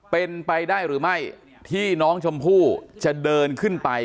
เป็นไปได้หรือไม่ที่น้องชมพู่จะเดินขึ้นไป